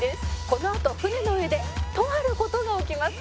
「このあと舟の上でとある事が起きます」